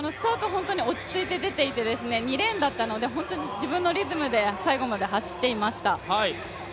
本当に落ち着いて出ていて、２レーンだったので、本当に自分のリズムで最後まで走っていました。